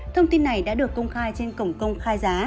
thông tin này đã được công khai trên cổng công khai giá